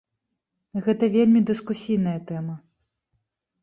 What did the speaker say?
Гэта вельмі дыскусійная тэма.